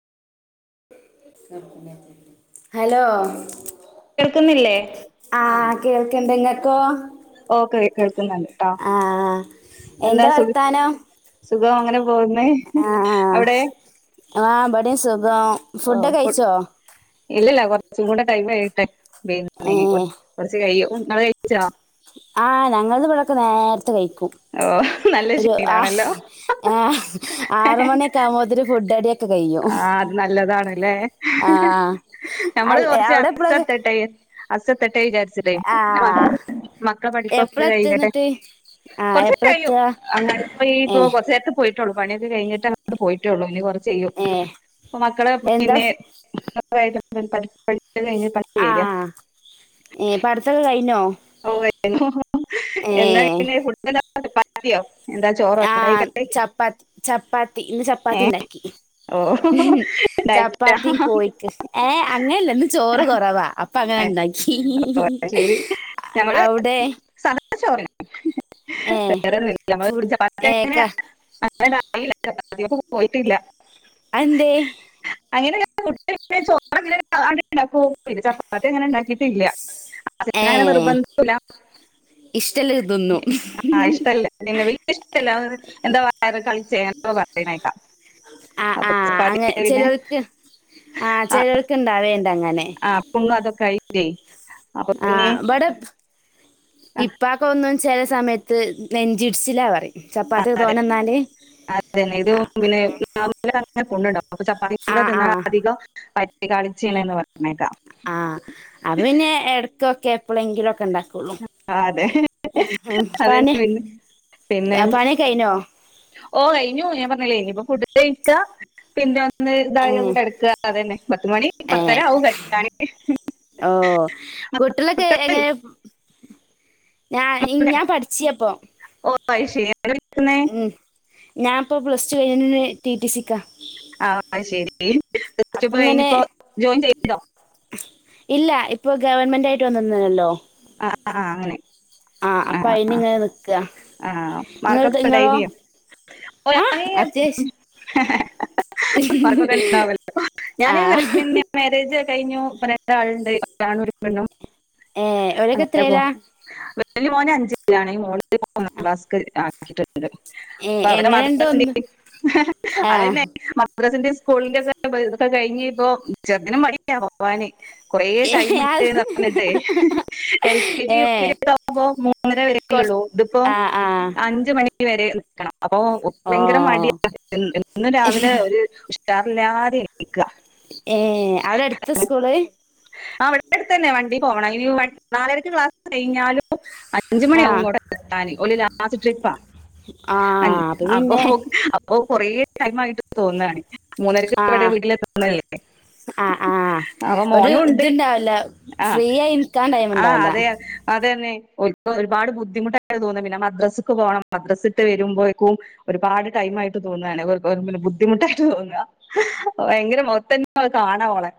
Hello കേൾക്കുന്നില്ലേ? ഇണ്ട് നിങ്ങക്കൊ ഓക്കെ കേൾക്കുന്നുണ്ട് ട്ടോ ആ എന്താ വർത്താനം? സുഖവാ അങ്ങനെ - ആഹാ ആഹ് ഇവിടേം സുഖം. ഓ ഫുഡ് ഫുഡ്‌ കഴിച്ചോ ഇല്ലില്ല കൊർ ച്ചും കൂടെ ടൈമ് കഴിയട്ടെ. ഏ പിന്നെ കൊർ കൊറച്ച് കഴിയും. നിങ്ങള് കഴിച്ചോ? ആ ഞങ്ങളിവിടൊക്കെ നേരത് ത്തെ കഴിക്കും ഓ നല്ല ഒര് ആഹ് ശീലാണല്ലോ ആ ആറുമണിക്കെ ആകുമ്പത്തെനും ഫുഡ്‌ റെഡി - ആ അത് നല്ലതാണല്ലേ ആ നഞമ്മള് അൽ കുറച്ച് അവിടെ എപ്പളാ അസത്ത [unintelligible] ട്ടെ അസ ത [unintelligible] [unintelligible] വിചാരിച്ചിട്ടേ ആ മക്കളെ പഠിക്കപ്പോ എപ്പളാ എത്ത കഴിട്ടെ എന്നിട്ട് ആ കൊറച്ചം എപ്പളാ കഴിയും എത്ത അന്നേരം പോയി ഏ കൊറച്ച നേരത്ത് പോയി ള്ളൂ പണിയൊക്കെ കഴിഞ്ഞിട്ട് അങ്ങട്ട് പോയിട്ടേയുള്ളൂ ഇനി കുറ ചെയ്യും ഏ അപ്പോ മക്കള് എന്താ പിന്നെ [unintelligible] കഴിഞ്ഞ് പണ്ട് ആ വരിക ഏ പടുത്തവൊക്കെ കഴിഞ്ഞോ ഓ ഏ [unintelligible] [unintelligible] അത് [unintelligible] ആഹ് ചപ്പാത്തി ചപ്പാത്തി ഇന്ന് ചപ്പാത്തി ഏ ഉണ്ടാക്കി ഓ ഡയറ്റാ ചപ്പാത്തിയും കോഴിക്കറിയും ഏ അങ്ങനെല്ല ഇന്ന് ചോറ് കുറവാ അപ്പ അങ്ങനെ ഇണ്ടാക്കി ഓ ശരി ഞങ്ങള് അവിടെ സാ ദാ ചോറ് ഏ ഫുഡ് വേറെമ്മറ്റങ്ങന ഏക്ക [unintelligible] യില്ലതിപ്പ [unintelligible] പോയിട്ടില്ല അത് എന്തെ അങ്ങനെട്ടങ്ങനെണ്ട ചപ്പാത്തി [unintelligible] അങ്ങനെ ഉണ്ടാക്കിയിട്ടില്ല അ [unintelligible] ഏ ഇഷ്ടല്ല തിന്നും ന് ആ ഇഷ്ടല്ല വ ഇഷല്ല എന്താള [unintelligible] ചെയേപ്പോ പറയക്കാം [unintelligible] ആ ആ അങ്ങ ചിലൾക്ക് ആ ചിലവൾക്ക് ഇണ്ടാവേണ്ട അങ്ങനെ ആഹ് പൊങ്ങ അതക്കെ [unintelligible] കയ്േ [unintelligible] ആ ഇവിടെ ആ, ഇപ്പൊക്കെ ഒന്ന് ചില സമയത്ത് നെഞ്ചിഇടിച്ചില്ലെന്നു പറയും ആ ചപ്പാത്തി അതെ തോനെന്നാല് അതെ തന്നെ ഇത് പിന്നെ ന ആൊണ്ണ ഡോ [unintelligible] അപ്പൊ ചപ്പാത്തിയും ആ കൂടെ ആ തിന്നാൽ അധികം കാളിച്ചീണ എന്ന് പറയാ ആഹ അ പിന്നെ ഇടക്കൊക്കെ എപ്പോളെങ്കില ഒക്കെണ്ട ള ആ, അതെ പന അതന്നെ പിന്നെ പിന്നെ ആ പന കഴനോ [unintelligible] ഓ കഴിഞ്ഞു ഞാൻ പറഞ്ഞല്ലേ ഇനിപ്പ ഫുഡ് കഴക്ക പിന്നെ ഒന്ന് ഇതായി ഒന്ന് ഏഹ് കിടക്ക അത തന്നെ പത്തുമണി പത്തര ഏഹ് ആവും കടക്കാന് ഓഹ് കുട്ടികളൊക്കെ ഞാ ഞാൻ പഠിച്ചപ്പൊ ഓ അത് ശരി എവിടെ ഇരിക്കുന്നേ ഉം ഞാനിപ്പോ പ്ലസ്ടു കഴിഞ്ഞന്ന് ടി ടി സിക്ക ആ ശരി ഇങ്ങനെ കഴിഞ്ഞപ്പോ ജോയിൻ ചെയ്യ ഹലോ [unintelligible] ഇല്ല ഇപ്പൊ ഗവൺമെന്റായിട്ട് വന്നിന്നല്ലോ ആ ആ, ആ അങ്ങനെ ആഹ ആ അപ്പൊ അയിനി ഇങ്ങനെ നിക്കുക ആ മാർക്കൊക്കെ ഡൈരിയ ആ ആഹ് അത്യാവശ്യം [unintelligible] ർക്കൊക്കെ [unintelligible] ഉണ്ടാവല്ലോ ഞാൻ ആഹ് പിന്നെ മാരേജ് കഴിഞ്ഞു രണ്ട ആളുണ്ട് ഒരാണും ഒരു പെണ്ണും ഏർ ഓരക്കെ എത്രേലാ അ മോന് അഞ്ച് ആണ ഈ മോള് മൂന്നാംക്ലാസുംക്ക് ആ ആട്ട [unintelligible] ഏഹ് അപ്പൊ അവരെ എങ്ങനെണ്ട് മദ്രാസിന്റെ ഒന്ന് ആഹ് അതന്നെ മദ്രാസിന്റെ സ്കൂളിലൊക്കെക്കെ കഴിഞ്ഞ ഇപ്പ ചെറും മടിക്ക പോവാന് കൊറെ ടൈം ഏഹ് അത് ഇട്ടേന്ന് പറഞ്ഞിട്ടേ L K G U K ഏ ജി ആകുമ്പോ മൂന്നര കൊറ വരല്ലള്ളൂ ഇതിപ്പോ ആ ആ അഞ്ചുമണി വരെ അപ്പൊ ഓ ഭയങ്കര മടിയന്ന് ഇന്ന് രാവിലെ ഒരു ചറല്ലാതിരിക്കുക ഏ അവിടെ അടുത്ത സ്കൂള് ആ അവിടെ അടുത്ത്ന്നെ വണ്ടി പോവണം ഇനി നാലരക്ക് ക്ലാസ് കഴിഞ്ഞാലു അഞ്ച് ആ മണിയാവും കോടെ എത്താന ഒ ലാസ്റ്റ് ട്രിപ്പാ ആ അഞ്ച് അപ്പൊ അപ്പ കൊറേ ടൈമായിട്ട് തോന്നുകാണ് മൂന്നരക്ക് ആ എവിടെ വീട്ടിലെത്തണല്ലേ ആ ആ അ ഒരു ഇത്ണ്ടാവില്ല ഫ്രീ ആയി നിൽക്കാൻ ടൈമ ആഹ് ഇണ്ടാവില്ല അതെ തന്നെ ഒരുപാട് ബുദ്ധിമുട്ടായിട്ട് തോന്ന പിന്നെ മദ്രസ്സക്ക് പോകണം മദ്രസ്സിട്ട് വരുമ്പോേക്കും ഒരുപാട് ടൈം ആട്ട് തോന്നാണ് പിന്നെ ബുദ്ധിമുട്ടായിട്ട് തോന്നുക ഭയങ്കര മുഖത്തന്നെ കാണാ ഓളെ